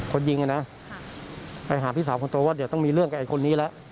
คนยิงอ่ะนะไปหาพี่สาวคนโตว่าเดี๋ยวต้องมีเรื่องกับไอ้คนนี้แล้ว